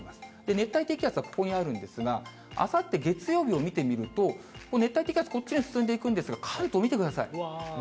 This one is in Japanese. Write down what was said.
熱帯低気圧はここにあるんですが、あさって月曜日を見てみると、熱帯低気圧、こっちに進んでいくんですが、関東見てください。